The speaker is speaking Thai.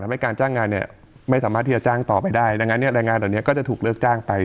ให้การจ้างงานเนี่ยไม่สามารถที่จะจ้างต่อไปได้ดังนั้นเนี่ยแรงงานเหล่านี้ก็จะถูกเลิกจ้างไป